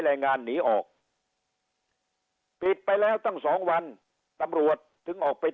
แรงงานหนีออกปิดไปแล้วตั้งสองวันตำรวจถึงออกไป